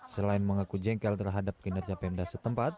selain mengaku jengkel terhadap kinerja pemda setempat